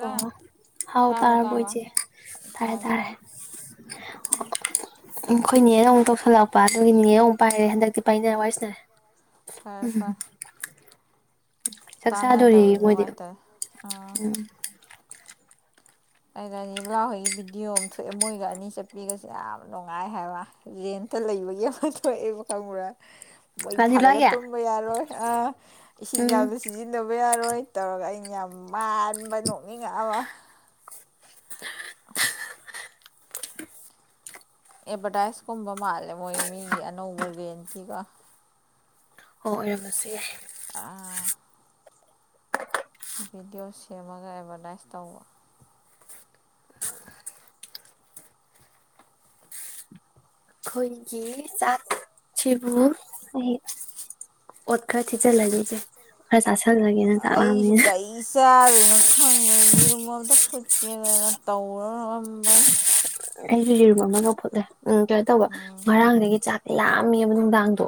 ꯑꯣ ꯍꯥꯎ ꯇꯥꯔꯕ ꯇꯥꯔꯕ ꯇꯥꯔꯕꯨꯣꯏꯁꯦ ꯊꯔꯦ ꯇꯥꯔꯦ ꯇꯔꯦ ꯇꯥꯔꯦ [inaudible] ꯑꯩꯈꯣꯏꯅꯤꯑ ꯑꯃꯨꯛ ꯇꯧꯁꯜꯂꯛꯄ ꯑꯗꯨꯗꯒꯤꯅꯦꯑ ꯑꯃꯨꯛ ꯄꯥꯏꯔꯦ ꯍꯟꯗꯛꯇꯤ ꯄꯥꯏꯅꯔ ꯋꯥꯏꯁꯤꯔꯦ ꯐꯔꯦ ꯎꯝ ꯐꯔꯦ ꯆꯥꯛ ꯆꯥꯗꯣꯔꯤ ꯇꯥꯟꯅꯗꯕꯒꯤ ꯃꯣꯏꯗꯤ ꯅꯨꯡꯉꯥꯏꯇꯔꯦ ꯑꯥ ꯎꯝ ꯑꯗꯨꯒꯅꯤ ꯕ꯭ꯂꯥꯎꯁ ꯍꯒꯤ ꯚꯤꯗꯤꯑꯣ ꯑꯃ ꯊꯣꯛꯑꯦ ꯃꯣꯏꯒ ꯑꯅꯤ ꯆꯠꯄꯤꯒꯁꯦ ꯌꯥꯝ ꯅꯨꯡꯉꯥꯏ ꯍꯥꯏꯕ ꯔꯦꯟꯇ ꯂꯩꯕꯒꯤ ꯑꯃ ꯊꯣꯛꯑꯦꯕ ꯈꯪꯕ꯭ꯔꯥ ꯃꯩ ꯊꯥꯜꯂꯒ ꯔꯥꯙꯤꯕꯂꯥꯒꯤ ꯇꯨꯝꯕ ꯌꯥꯔꯣꯏ ꯑꯥ ꯏꯁꯤꯡ ꯎꯝ ꯌꯥꯝꯅ ꯁꯤꯖꯤꯟꯅꯕ ꯌꯥꯔꯦ ꯃꯔꯔꯣꯏ ꯇꯧꯔꯒ ꯑꯩꯅ ꯌꯥꯝ ꯃꯥꯟꯕ ꯅꯣꯛꯅꯤꯡꯉꯛꯑꯕ ꯍ ꯑꯦ ꯑꯦꯚꯔꯗꯥꯏꯁꯀꯨꯝꯕ ꯃꯥꯜꯂꯦ ꯃꯣꯏ ꯃꯤꯒꯤ ꯑꯅꯧꯕ ꯔꯦꯟꯀꯤꯒ ꯍꯣꯏ ꯑꯣꯏꯔꯝꯃꯁꯦ ꯌꯥꯏ ꯑ ꯚꯤꯗꯤꯑꯣ ꯁꯦꯝꯃꯒ ꯑꯦꯗꯚꯔꯇꯥꯏꯁ ꯇꯧꯕ ꯑꯩꯈꯣꯏꯒꯤ ꯆꯠ ꯁꯤꯕꯨ ꯑꯣꯠ ꯈꯔ ꯊꯤꯖꯤꯜꯂꯅꯤꯁꯦ ꯑꯩꯁꯨ ꯀꯩꯁꯔꯦꯅ ꯈꯪꯗꯅ ꯌꯦꯔꯨꯝꯕꯣ ꯑꯝꯇ ꯐꯨꯠꯀꯦꯗꯅ ꯇꯧꯔꯔꯝꯕ ꯑꯩ ꯃꯃꯥꯒ ꯐꯣꯗ ꯎꯝ ꯀꯩꯅꯣ ꯇꯧꯕ ꯎꯝ ꯉꯔꯥꯡꯗꯒꯤ ꯆꯥꯛ ꯂꯥꯛꯑꯝꯃꯦꯕ ꯅꯨꯡꯗꯥꯡꯗꯣ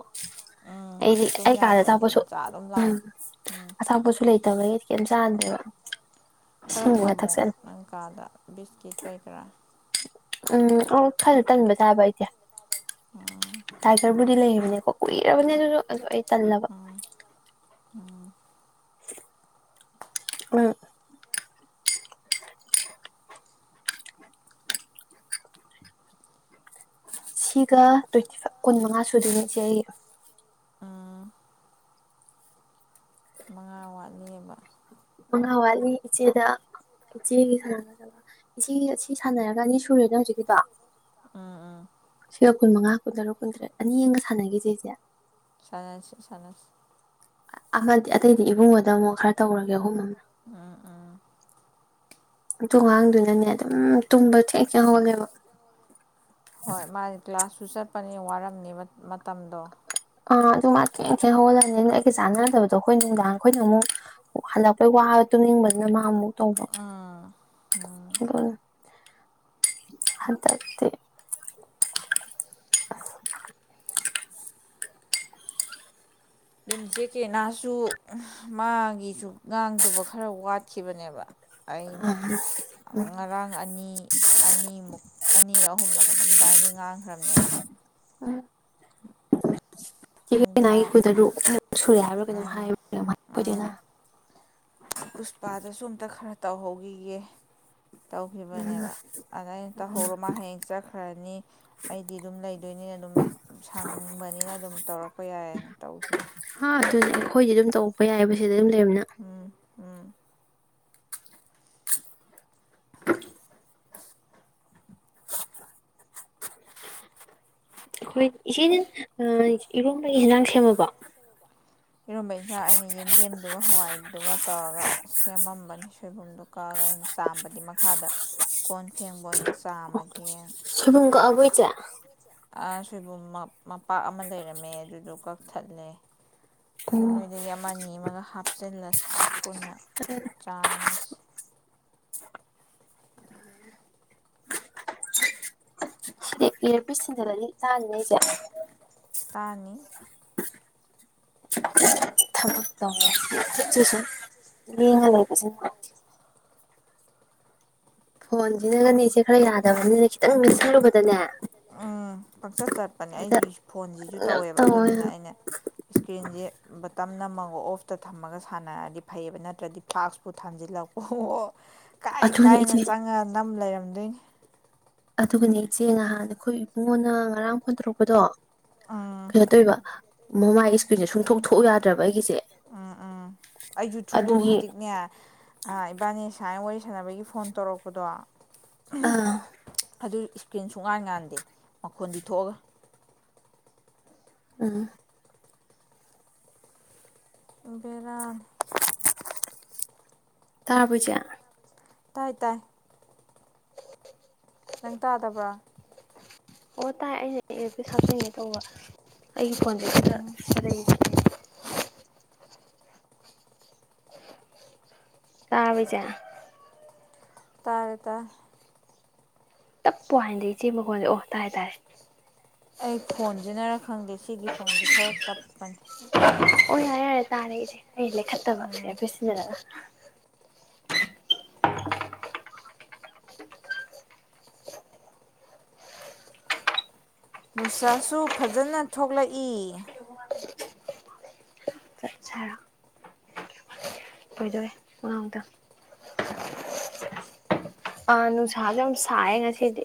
ꯎꯝ ꯑꯩꯗꯤ ꯇꯨꯝ ꯑꯩ ꯀꯥꯗ ꯑꯁꯥꯡꯄꯁꯨ ꯌꯥꯗ꯭ꯔꯗꯤꯅꯦ ꯆꯥ ꯑꯗꯨꯝ ꯎꯝ ꯂꯥꯝꯃꯦ ꯎꯝ ꯑꯇꯥꯡꯄꯁꯨ ꯂꯩꯇꯦ ꯇꯔꯒꯗꯤ ꯀꯩꯝ ꯆꯥꯟꯗꯦꯕ ꯈꯔ ꯊꯝꯃꯣ ꯑꯪꯀꯥꯗ ꯕꯤꯁꯀꯤꯠ ꯀꯩꯀꯔꯥ ꯎꯝ ꯑ ꯐꯂ ꯇꯟꯕ ꯆꯥꯕ ꯑꯩꯗꯤꯦ ꯎꯝ ꯇꯥꯏꯒꯔ ꯕꯨꯗꯤ ꯂꯩꯕꯅꯦꯀꯣ ꯀꯨꯏꯔꯕꯅꯤꯅꯦ ꯑꯗꯨꯁꯨ ꯆꯜꯕ ꯎꯝ ꯎꯝ ꯎ ꯁꯤꯒ ꯇ꯭ꯋꯦꯟꯇꯤ ꯐꯥꯏꯚ ꯀꯨꯟ ꯃꯉꯥ ꯁꯨꯗꯣꯏꯅꯤꯁꯦ ꯑꯩ ꯎꯝ ꯃꯉꯥ ꯋꯥꯠꯂꯤꯕ ꯃꯉꯥ ꯋꯥꯠꯂꯤ ꯏꯆꯦꯗ ꯏꯆꯦꯒꯤ ꯁꯥꯟꯅꯒꯗꯕ ꯏꯆꯦ ꯁꯤ ꯁꯥꯟꯅꯔꯒꯅꯤ ꯁꯨꯔꯦꯅ ꯍꯧꯖꯤꯛꯀꯤꯗꯣ ꯎꯝ ꯎꯝ ꯁꯤ ꯀꯨꯟꯃꯉꯥ ꯀꯨꯟ ꯇꯔꯨꯛ ꯀꯨꯟꯇ ꯇꯔꯦꯠ ꯑꯅꯤ ꯌꯦꯡꯒ ꯁꯥꯟꯅꯈꯤꯁꯦꯁꯦ ꯁꯅꯁꯤ ꯁꯅꯁꯤ ꯑꯃꯗꯤ ꯑꯇꯩꯗꯤ ꯏꯕꯨꯡꯉꯣꯗ ꯑꯃꯨꯛ ꯈꯔ ꯇꯧꯔꯒꯦ ꯑꯍꯨꯝꯅ ꯎꯝ ꯎꯝ ꯇꯣꯉꯥꯡꯗꯨꯅꯅꯦ ꯑꯗꯨꯝ ꯇꯨꯝꯕ ꯊꯦꯛ ꯌꯥꯍꯜꯂꯦꯕ ꯍꯣꯏ ꯃꯥꯒꯤ ꯀ꯭ꯂ꯭ꯂꯥꯁ ꯁꯨ ꯆꯠꯄꯅꯤ ꯋꯥꯔꯝꯅꯤꯕ ꯃꯇꯝꯗꯣ ꯑꯥ ꯑꯗꯨ ꯃꯥ ꯊꯦꯡ ꯊꯦꯡꯅ ꯍꯧꯒꯜꯂꯅꯤ ꯑꯗꯨ ꯑꯩꯒ ꯆꯥꯟꯅꯗꯕꯗꯣ ꯑꯩꯈꯣꯏ ꯅꯨꯡꯗꯥꯡ ꯑꯩꯈꯣꯏꯅ ꯑꯃꯨꯛ ꯍꯜꯂꯛꯄꯩ ꯋꯥꯕ ꯇꯨꯝꯅꯤꯡꯕꯅꯤꯅ ꯃꯥ ꯑꯃꯨꯛ ꯇꯧꯕ ꯎꯝ ꯍꯥꯏꯇꯥꯏꯇ ꯑꯗꯨꯅ ꯖꯦꯛꯀꯦꯠ ꯁꯨ ꯃꯥꯒꯤꯁꯨ ꯉꯥꯡꯗꯕ ꯈꯔ ꯋꯥꯠꯈꯤꯕꯅꯦꯕ ꯑꯩꯅ ꯉꯔꯥꯡ ꯑꯅꯤ ꯑꯅꯤꯃꯨꯛ ꯑꯅꯤꯔꯛ ꯑꯍꯨꯝꯂꯛ ꯀꯅꯝꯗꯥꯏꯗꯤ ꯉꯥꯡꯈ꯭ꯔꯕꯅꯦꯕ ꯃꯤꯗ ꯑ ꯃꯥ ꯣꯏꯗ ꯁꯨꯔꯦ ꯍꯥꯏꯔ ꯀꯩꯅꯣ ꯍꯥꯏ ꯎꯝ ꯎꯝ ꯄꯨꯁꯄꯥꯗꯁꯨ ꯑꯝꯇ ꯈꯔ ꯇꯧꯍꯧꯈꯤꯒꯦ ꯇꯧꯈꯤꯕꯅꯦꯕ ꯑꯗ ꯑꯩꯅ ꯇꯧꯍꯧꯔꯣ ꯃꯥ ꯍꯌꯦꯡ ꯆꯠꯈ꯭ꯔꯅꯤ ꯑꯩꯗꯤ ꯑꯗꯨꯝ ꯂꯩꯗꯣꯏꯅꯤꯅ ꯑꯗꯨꯝ ꯁꯪꯕꯅꯤꯅ ꯑꯗꯨꯝ ꯇꯧꯔꯛꯄ ꯌꯥꯏꯌꯦꯅ ꯇꯧꯈꯤꯕꯅꯦ ꯑꯗꯨꯗꯤ ꯑꯩꯈꯣꯏꯗꯤ ꯑꯗꯨꯝ ꯇꯧꯕ ꯌꯥꯏꯑꯦꯕ ꯁꯤꯗ ꯑꯗꯨꯝ ꯂꯩꯔꯕꯅꯤꯅ ꯎꯝ ꯎꯝ [inaudible] ꯑꯩꯈꯣꯏ ꯏꯆꯦꯅ ꯏꯔꯣꯝꯕꯒꯤ ꯌꯦꯟꯖꯥꯡ ꯁꯦꯝꯃꯕꯣ ꯏꯔꯨꯝꯕ ꯏꯟꯖꯥꯡ ꯑꯩꯅ ꯌꯦꯟꯗꯦꯝꯗꯨꯒ ꯍꯋꯥꯏꯗꯨꯒ ꯇꯧꯔꯒ ꯁꯦꯝꯃꯝꯕꯅꯤ ꯁꯣꯏꯕꯨꯝꯗꯨ ꯀꯛꯑꯒ ꯑꯩꯅ ꯆꯥꯝꯕꯗꯤ ꯃꯈꯥꯗ ꯀꯣꯟ ꯐꯦꯡ ꯕꯑꯣꯏꯅ ꯆꯥꯝꯃꯒꯦ ꯅ ꯆꯥ ꯁꯣꯏꯕꯨꯝ ꯃꯄꯥꯛ ꯑꯃ ꯂꯩꯔꯝꯃꯦ ꯑꯗꯨꯗꯣ ꯀꯛꯊꯠꯂꯦ ꯑꯗꯨ ꯎꯝ ꯅꯣꯏꯗꯒꯤ ꯑꯃ ꯑꯅꯤ ꯑꯃꯒ ꯍꯥꯞꯆꯤꯜꯂꯁꯤ ꯎꯝ ꯄꯨꯟꯅ ꯆꯥꯝꯃ ꯗꯤ ꯏꯔꯄꯤꯁ ꯊꯤꯟꯖꯜꯂꯗꯤ ꯇꯥ ꯂꯩꯁꯦ ꯇꯥꯅꯤ [unintelligible] ꯅꯨꯉꯥꯏ ꯇꯦ ꯐꯣꯟꯁꯤꯅꯒꯅꯦꯁꯦ ꯈꯔ ꯌꯥꯗꯕꯅꯤꯅ ꯈꯤꯇꯪ ꯃꯠꯁꯤꯜꯂꯨꯕꯗꯅꯦ ꯎꯝ ꯄꯪꯆꯠ ꯆꯠꯄꯅꯦ ꯑꯩꯒꯤ ꯐꯣꯟꯁꯤꯁꯨ ꯀꯩꯅꯣꯝ ꯇꯧꯋꯦꯕ ꯇꯧꯋꯦ ꯑꯗꯨꯗꯨꯅ ꯑꯩꯅ ꯏꯁꯀ꯭ꯔꯤꯟꯁꯦ ꯕ ꯅꯝꯃꯒ ꯑꯣꯐꯇ ꯊꯝꯃꯒ ꯁꯥꯟꯅꯔꯗꯤ ꯐꯩꯌꯦꯕ ꯅꯠꯇ꯭ꯔꯗꯤ ꯐꯥꯛꯁꯄꯨ ꯊꯥꯟꯖꯤꯜꯂꯛꯄꯣ ꯀꯥꯏ ꯑꯗꯨꯅꯦ ꯀꯥꯏꯅ ꯏꯆꯦ ꯆꯪꯉ ꯅꯝ ꯂꯩꯔ [unintelligible] ꯑꯗꯨꯒꯅꯦ ꯏꯆꯦ ꯅꯍꯥꯟ ꯑꯩꯈꯣꯏ ꯏꯕꯨꯡꯉꯣꯅ ꯉꯔꯥꯡ ꯐꯣꯟ ꯇꯧꯔꯛꯄꯗꯣ ꯎꯝ ꯀꯩꯩꯅꯣ ꯇꯧꯔꯤꯕ ꯃꯃꯥꯏ ꯏꯁ꯭ꯀ꯭ꯔꯤꯟꯁꯦ ꯁꯨꯡꯊꯣꯛ ꯊꯣꯛꯣꯛꯎ ꯌꯥꯗ꯭ꯔꯕ ꯑꯩꯒꯤꯁꯦ ꯎꯝ ꯎꯝ ꯑꯩꯁꯨ ꯊꯨꯡꯗꯣꯛ ꯑꯗꯨꯒꯤ ꯍꯧꯖꯤꯛꯅꯦ ꯏꯕꯥꯅꯤ ꯁꯨꯃꯥꯏꯅ ꯋꯥꯔꯤ ꯁꯥꯅꯕꯒꯤ ꯐꯣꯟ ꯇꯧꯔꯛꯄꯗꯣ ꯑꯥ ꯑꯗꯨ ꯏꯁꯀ꯭ꯔꯤꯟ ꯁꯨꯡꯉꯥꯟ ꯉꯥꯟꯗꯦ ꯃꯈꯣꯟꯗꯤ ꯊꯣꯛꯑꯒ ꯎꯝ ꯕꯦꯔꯥꯅꯦ ꯇꯥꯔꯕꯣ ꯏꯆꯦ ꯇꯥꯏ ꯇꯥꯏ [inaudible] ꯅꯪ ꯇꯥꯗꯕ꯭ꯔꯥ ꯑꯣ ꯇꯥꯏ ꯑꯩꯅ ꯑꯦꯞꯇ ꯍꯥꯞꯇꯤꯉꯦ ꯇꯧꯕ ꯑꯩꯒꯤ ꯐꯣꯟꯗꯦ ꯎꯝ ꯈ ꯂꯩ ꯇꯥꯕꯖꯥ ꯇꯔꯦ ꯇꯔ ꯇꯞꯄ ꯍꯥꯏꯅꯗꯤ ꯏꯆꯦ ꯃꯈꯒꯣꯟꯗꯦ ꯑꯣ ꯇꯥꯥꯏꯦ ꯇꯥꯥꯏꯔꯦ ꯑꯩ ꯐꯣꯟꯁꯤꯅꯔ ꯈꯪꯗꯦ ꯁꯤꯒꯤ ꯐꯣꯟꯁꯦ ꯈꯔ ꯇꯞꯄꯅꯤ ꯑꯣ ꯌꯥꯔꯦ ꯌꯥꯔꯦ ꯇꯥꯔꯦ ꯏꯗꯤꯦ ꯑꯩ ꯎꯝ ꯂꯩꯈꯠꯇꯕꯐꯣꯏ ꯁꯤꯟꯅꯗꯅ [inaudible] ꯅꯨꯡꯁꯥꯁꯨ ꯐꯖꯅ ꯊꯣꯛꯂꯛꯏ ꯆꯠ ꯀꯣꯏꯗꯣꯏꯋꯦ ꯑꯥꯡꯗ ꯑꯥ ꯅꯨꯡꯁꯥꯁꯨ ꯌꯥꯝ ꯁꯥꯏꯌꯦ ꯉꯁꯤꯗꯤ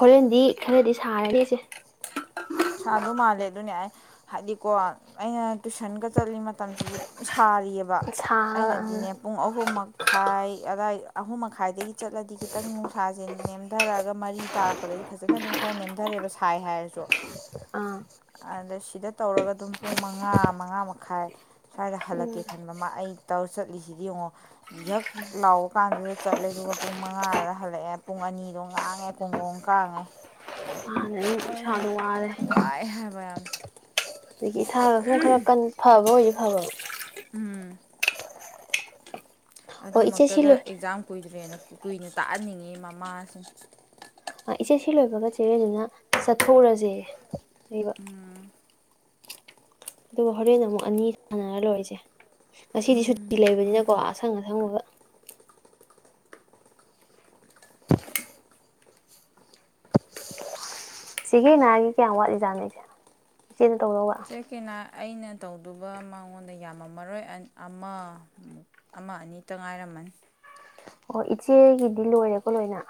ꯍꯣꯔꯦꯟꯗꯤ ꯈꯔꯗꯤ ꯁꯥꯔꯅꯤ ꯑꯩꯁꯦ ꯁꯥꯗꯧ ꯃꯥꯜꯂꯦ ꯑꯗꯨꯅꯦ ꯑꯩ ꯍꯥꯏꯗꯤꯀꯣ ꯑꯩꯅ ꯇꯨꯏꯁꯟꯒ ꯆꯠꯂꯤ ꯃꯇꯝꯁꯤꯁꯨ ꯑꯗꯨꯝ ꯁꯥꯔꯤꯑꯕ ꯁꯥ ꯑꯩꯅꯗꯤꯅꯦ ꯑꯥ ꯄꯨꯡ ꯑꯍꯨꯝꯃꯛ ꯈꯥꯏ ꯑꯏ ꯑꯍꯨꯝ ꯃꯈꯥꯏꯗꯒꯤ ꯆꯠꯂꯗꯤ ꯈꯤꯇꯪ ꯅꯨꯡꯁꯥꯁꯦ ꯅꯦꯝꯊꯔꯛꯑꯒ ꯃꯔꯤ ꯇꯥꯔꯛꯄꯗꯗꯤ ꯐꯖꯅ ꯑꯗꯨꯝ ꯈꯔ ꯅꯦꯝꯊꯔꯦꯕ ꯁꯥꯏ ꯍꯥꯏꯔꯁꯨ ꯑꯗ ꯁꯤꯗ ꯇꯧꯔꯒ ꯑꯗꯨꯝ ꯄꯨꯡ ꯃꯉꯥ ꯃꯉꯥ ꯃꯈꯥꯏ ꯁ꯭ꯋꯥꯏꯗ ꯍꯜꯂꯛꯀꯦ ꯈꯟꯕ ꯃꯥ ꯑꯩ ꯇꯧꯔ ꯆꯠꯂꯤꯁꯤꯗꯤ ꯌꯦꯡꯉꯣ ꯍꯛ ꯂꯥꯎꯕ ꯀꯥꯟꯗꯨꯗ ꯆꯠꯂꯦ ꯑꯗꯨꯒ ꯄꯨꯡ ꯃꯉꯥꯗ ꯍꯜꯂꯛꯑꯦ ꯄꯨꯡ ꯑꯅꯤꯗꯣ ꯉꯥꯡꯉꯦ ꯀꯣꯡꯒꯣꯝ ꯀꯥꯡꯥꯡꯉꯦ ꯁꯅꯨ ꯃꯥꯔꯦ ꯋꯥꯏ ꯍꯦ ꯌꯥꯝꯝ ꯑꯗꯒꯤ ꯏꯁꯥꯒ ꯁꯨꯝ ꯈꯔ ꯀ ꯐꯕ ꯑꯣꯏ ꯍ ꯎꯝ ꯍꯣꯏ ꯏꯆꯦ ꯁꯤ ꯑꯗꯨꯃꯛꯇꯗ ꯂꯣꯏ ꯑꯦꯛꯖꯥꯝ ꯀꯨꯏꯗ꯭ꯔꯦꯅ ꯀꯨꯀꯨꯏꯅ ꯇꯥꯛꯍꯟꯅꯤꯡꯉꯤ ꯃꯃꯥꯁꯤꯡ ꯏꯆꯦ ꯁꯤ ꯂꯣꯏꯕꯒ ꯆꯦꯔꯦ ꯑꯗꯨꯅ ꯆꯠꯊꯣꯛꯎꯔꯁꯦ ꯂꯩꯕ ꯎꯝ ꯑꯗꯨꯒ ꯍꯣꯔꯦꯟ ꯑꯃꯨꯛ ꯑꯅꯤ ꯁꯥꯟꯅꯔ ꯂꯣꯏꯔꯤꯁꯦ ꯉꯁꯤꯗꯤ ꯁꯨꯇꯤ ꯂꯩꯕꯅꯤꯅꯀꯣ ꯑꯁꯪ ꯑꯁꯪꯕꯕ ꯁꯤꯒꯤ ꯅꯥꯒꯤꯦ ꯀꯌꯥꯌꯥꯝ ꯋꯥꯠꯂꯤꯖꯥꯠꯅꯤꯁꯦ ꯆꯦꯅ ꯇꯧꯧꯕ ꯆꯦ ꯀꯦꯅꯥ ꯑꯩꯅ ꯇꯧꯗꯕ ꯃꯉꯣꯟꯗ ꯌꯥꯝꯃꯃꯔꯣꯏ ꯑꯃ ꯑꯃ ꯑꯅꯤꯇ ꯉꯥꯏꯔꯝꯃꯅꯤ ꯑꯣ ꯏꯆꯦꯒꯤꯗꯤ ꯂꯣꯏꯔꯦꯀꯣ ꯂꯣꯏꯅ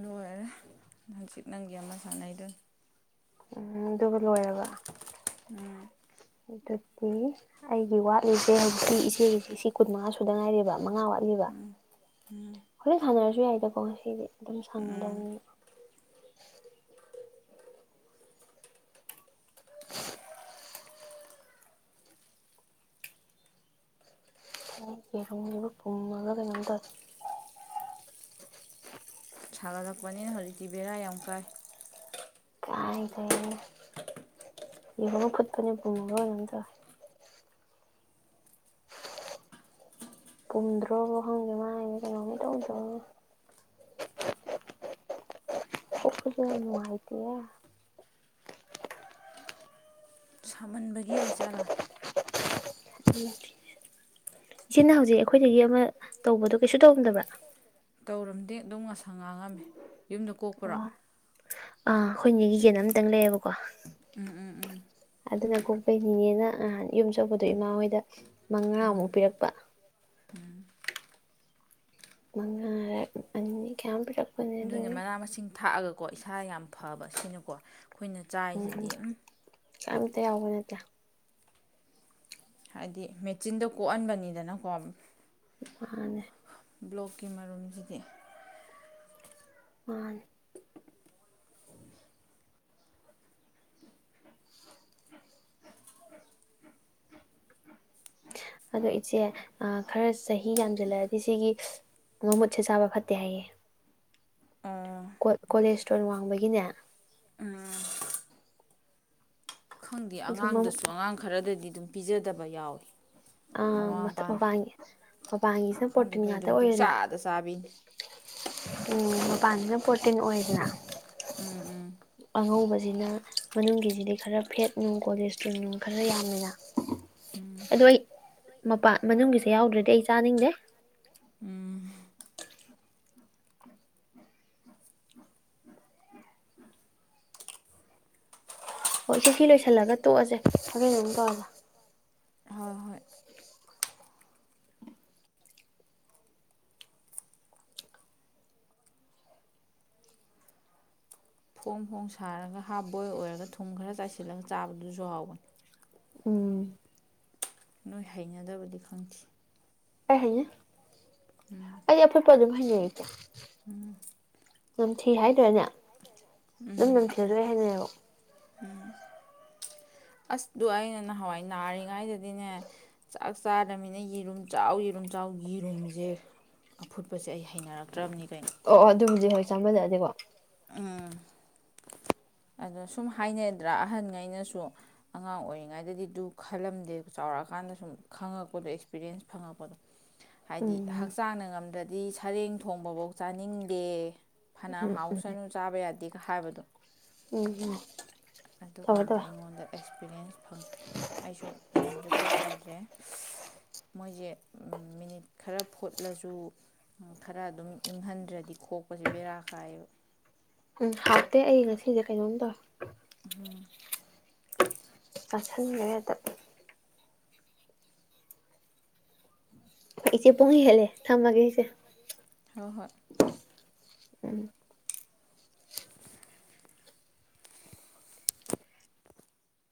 ꯂꯣꯏꯔꯦ ꯅꯪꯆꯤꯠ ꯅꯪꯒꯤ ꯑꯃ ꯁꯥꯟꯅꯩꯗ ꯎꯝ ꯑꯗꯨꯒꯕꯨ ꯂꯣꯏꯔꯕ ꯎꯝ ꯑꯗꯨꯗꯤ ꯑꯩꯒꯤ ꯋꯥꯠꯂꯤꯁꯦ ꯍꯧꯖꯤꯛꯀꯤ ꯏꯆꯦꯒꯤꯁꯦ ꯁꯤ ꯀꯨꯟꯃꯉꯥ ꯁꯨꯗ ꯉꯥꯏꯔꯦꯕ ꯃꯉꯥ ꯋꯥꯠꯂꯤꯕ ꯍꯣꯔ ꯁꯥꯟꯅꯔꯁꯤ ꯑꯗꯨ ꯌꯥꯏꯗꯀꯣ ꯉꯁꯤꯗꯤ ꯑꯗꯨꯝ ꯎꯝ ꯁꯥꯟꯅꯗꯕꯅꯤ ꯑ ꯀꯃꯒ ꯀꯅꯗ [unintelligible] ꯊꯥꯒ ꯂꯛꯄꯅꯤꯅ ꯍꯧꯖꯤꯛꯇꯤ ꯕꯦꯔꯥ ꯌꯥꯝꯎ ꯀꯥꯏ ꯀꯥꯏꯗꯩ ꯌꯦꯔꯨꯝ ꯐꯨꯠꯄꯅꯦ ꯄꯨꯝꯕꯔ ꯀꯩꯅꯣꯝ ꯇꯧꯏ ꯄꯨꯝꯗ꯭ꯔꯣꯕ ꯈꯪꯗꯦ ꯃꯥꯏ ꯀꯩꯅꯣꯅꯤ ꯇꯧ ꯆꯧꯉꯦꯅ ꯅꯨꯡꯉꯥꯏꯇꯦꯦ ꯃꯨꯟꯕꯒꯤ ꯑꯣꯏꯆꯥꯥꯂꯥ ꯎꯝ ꯏꯆꯦꯅ ꯍꯧꯖꯤꯛ ꯑꯩꯈꯣꯏꯗꯒꯤ ꯑꯃ ꯇꯧꯕꯗꯣ ꯀꯩꯁꯨ ꯇꯧꯔꯝꯗꯕ꯭ꯔꯥ ꯇꯧꯔꯝꯗꯦ ꯑꯗꯨꯝ ꯉꯁꯥ ꯉꯥꯡꯉꯝꯃꯤ ꯌꯨꯝꯗ ꯑ ꯀꯣꯛꯄ꯭ꯔꯥ ꯑꯥ ꯑꯩꯈꯣꯏꯅꯦꯒꯤ ꯌꯦꯟ ꯑꯃꯇꯪ ꯂꯩꯌꯦꯕꯀꯣ ꯎꯝ ꯎꯝ ꯎꯝ ꯑꯗꯨꯅ ꯀꫭꯛꯄꯩ ꯅꯤꯅꯦꯅ ꯅꯍꯥꯟ ꯌꯨꯝ ꯆꯠꯄꯗꯣ ꯏꯃꯥ ꯍꯣꯏꯗ ꯃꯉꯥꯃꯨꯛ ꯄꯤꯔꯛꯄ ꯃꯉꯥꯔ ꯑꯅꯤ ꯀꯌꯥ ꯃꯨꯛ ꯄꯤꯔꯝ ꯑꯗꯨꯣꯏꯅ ꯃꯅꯥ ꯃꯁꯤꯡ ꯊꯥꯛꯑꯒ ꯀꯣ ꯏꯁꯥ ꯌꯥꯝ ꯐꯕ ꯁꯤꯅꯀꯣ ꯑꯩꯈꯣꯏꯅ ꯆꯥꯏꯁꯤꯗꯤꯝ ꯀꯝꯇ ꯌꯥꯕ ꯅꯠꯇꯦ ꯍꯥꯏꯗꯤ ꯃꯦꯆꯤꯟꯗꯣ ꯀꯣꯛꯍꯟꯕꯅꯤꯗꯅꯀꯣ ꯃꯥꯅꯦ ꯕ꯭ꯂꯣꯛꯀꯤ ꯃꯔꯨꯝꯁꯤꯗꯤ ꯃꯥꯅꯤ ꯑꯗꯣ ꯏꯆꯦ ꯈꯔ ꯆꯍꯤ ꯌꯥꯝꯁꯤꯜꯂꯛꯑꯗꯤ ꯁꯤꯒꯤ ꯃꯃꯨꯠꯁꯦ ꯆꯥꯕ ꯐꯠꯇꯦ ꯍꯥꯏꯌꯦ ꯑꯣ ꯀꯣꯂꯦꯁꯇꯣꯟ ꯋꯥꯡꯕꯒꯤꯅꯦ ꯈꯪꯗꯦ ꯑꯗꯨ ꯑꯉꯥꯡꯗꯁꯨ ꯑꯉꯥꯡ ꯈꯔꯗꯗꯤ ꯑꯗꯨꯝ ꯄꯤꯖꯗꯕ ꯌꯥꯎꯋꯤ ꯑꯥ ꯃꯊꯛ ꯃꯄꯥꯟꯒꯤ ꯃꯄꯥꯟꯒꯤꯁꯤꯅ ꯈꯪꯗꯦ ꯄꯣꯔꯇꯤꯟ ꯑꯩꯈꯣꯏ ꯉꯥꯛꯇ ꯑꯗꯨꯝ ꯑꯣꯏꯔꯦꯅ ꯄꯨꯡꯆꯥꯗ ꯆꯥꯕꯤꯅꯤ ꯎꯝ ꯃꯄꯥꯟꯁꯤꯅ ꯄ꯭ꯔꯣꯔꯇꯤꯟ ꯑꯣꯏꯗꯅ ꯎꯝ ꯎꯝ ꯑꯉꯧꯕꯁꯤꯅ ꯃꯅꯨꯡꯒꯤꯁꯤꯗꯤ ꯈꯔ ꯐꯦꯠ ꯅꯨꯡ ꯀꯣꯂꯦꯁꯇ꯭ꯔꯣꯜ ꯅꯨꯡ ꯈꯔ ꯌꯥꯝꯃꯤꯅ ꯑꯗꯨ ꯑꯩ ꯃꯄꯥꯟ ꯃꯅꯨꯡꯒꯤꯁꯦ ꯌꯥꯎꯗ꯭ꯔꯗꯤ ꯑꯩ ꯆꯥꯅꯤꯡꯗꯦ ꯎꯝ ꯍꯣꯏ ꯏꯆꯦ ꯁꯤ ꯂꯣꯏꯁꯤꯜꯂꯒ ꯇꯣꯛꯑꯁꯦ ꯊꯃꯦꯟ ꯑꯗꯨꯨꯛ ꯇꯧꯔꯂ ꯍꯣꯏ ꯍꯣꯏ ꯐꯣꯡ ꯐꯣꯡ ꯁꯥꯔꯒ ꯍꯥꯞ ꯕꯣꯏ ꯑꯣꯏꯔꯒ ꯊꯨꯝ ꯈꯔ ꯆꯥꯏꯁꯤꯜꯂꯒ ꯆꯥꯕꯗꯨꯁꯨ ꯍꯥꯎꯕꯅꯤ ꯎꯝ ꯅꯣꯏ ꯍꯩꯅꯗꯕꯗꯤ ꯈꯪꯈꯤ ꯑꯩ ꯍꯩꯅꯩ ꯑꯩ ꯑꯐꯨꯠꯄ ꯑꯗꯨꯝ ꯍꯩꯅꯩ ꯏꯆꯦ ꯅꯝ ꯊꯤ ꯍꯥꯏ ꯅꯦ ꯑꯗꯨꯝ ꯅꯝꯊꯤꯔꯁꯨ ꯑꯗꯨꯝ ꯍꯩꯅꯩꯌꯦꯕ ꯎꯝ ꯑꯁꯇꯣ ꯑꯩꯅ ꯅꯍꯥꯟꯋꯥꯏ ꯅꯥꯔꯤꯉꯩꯗꯗꯤꯅꯦ ꯆꯥꯛ ꯆꯥꯗꯃꯤꯅ ꯌꯦꯔꯨꯝ ꯆꯥꯎ ꯌꯦꯔꯨꯝ ꯆꯥꯎ ꯌꯦꯔꯨꯝꯁꯦ ꯑꯐꯨꯠꯄꯁꯦ ꯑꯩ ꯍꯩꯅꯔꯛꯇ꯭ꯔꯕꯅꯤ ꯀꯩꯅꯣ ꯑꯣ ꯑꯣ ꯑꯗꯨꯕꯨꯗꯤ ꯍꯣꯏ ꯆꯥꯃꯜꯂꯛꯑꯗꯤꯀꯣ ꯎꯝ ꯑꯗꯣ ꯁꯨꯝ ꯍꯥꯏꯅꯗ꯭ꯔꯥ ꯑꯍꯟꯉꯩꯅꯁꯨ ꯑꯉꯥꯡ ꯑꯣꯏꯔꯤꯉꯩꯗꯗꯤ ꯑꯗꯨ ꯈꯜꯂꯝꯗꯦ ꯆꯥꯎꯔꯛꯑꯀꯥꯟꯗ ꯁꯨꯝ ꯈꯪꯉꯛꯄꯗꯣ ꯑꯦꯛꯁꯄꯤꯔꯤꯌꯦꯟꯁ ꯐꯪꯉꯛꯄꯗꯣ ꯍꯥꯏꯗꯤ ꯎꯝ ꯍꯛꯆꯥꯡꯅ ꯉꯝ ꯑꯗꯗꯤ ꯁꯔꯦꯡ ꯊꯣꯡꯕꯐꯧ ꯆꯥꯅꯤꯡꯗꯦ ꯎꯝ ꯎꯝ ꯊꯥꯕ ꯌꯥꯗꯦꯒ ꯍꯥꯏꯕꯗꯣ ꯎꯝ ꯎꯝ ꯑꯗꯨ ꯇꯧꯔꯦ ꯀꯥꯟꯗ ꯇꯧꯔꯦ ꯑꯩꯉꯣꯟꯗ ꯑꯦꯛꯁꯄꯤꯔꯤꯌꯦꯟꯁ ꯐꯪꯉ ꯑꯩꯁꯨ ꯌꯨꯝ ꯈꯣꯛꯄ ꯌꯥꯗ꯭ꯔꯦ ꯃꯣꯏꯁꯦ ꯃꯤꯅꯤꯠ ꯈꯔ ꯐꯨꯠꯂꯁꯨ ꯈꯔ ꯑꯗꯨꯝ ꯏꯪꯍꯟꯗ꯭ꯔꯗꯤ ꯈꯣꯛꯄꯁꯦ ꯕꯦꯔꯥ ꯀꯥꯏꯌꯦꯕ ꯍꯥꯞꯇꯦ ꯑꯩ ꯉꯁꯤꯁꯦ ꯀꯩꯅꯣꯝ ꯇꯧꯋꯦ ꯑꯆꯥꯥ ꯃ ꯇ ꯏꯁꯤ ꯄꯍꯤ ꯍꯦꯂꯦ ꯊꯝ ꯂꯒꯦꯁꯦ ꯍꯣꯏ ꯍꯣꯏ